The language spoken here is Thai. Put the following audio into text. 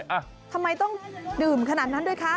ทำไมต้องดื่มขนาดนั้นด้วยคะ